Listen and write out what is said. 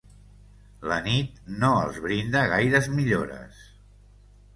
La nit no els brinda gaires millores.